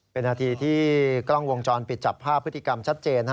เป็นนาทีที่กล้องวงจรปิดจับภาพพฤติกรรมชัดเจน